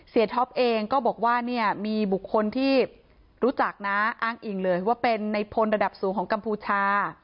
ท็อปเองก็บอกว่าเนี่ยมีบุคคลที่รู้จักนะอ้างอิงเลยว่าเป็นในพลระดับสูงของกัมพูชา